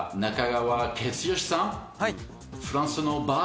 はい。